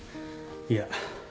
いや。